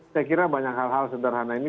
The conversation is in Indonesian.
saya kira banyak hal hal sederhana ini